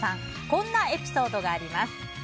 こんなエピソードがあります。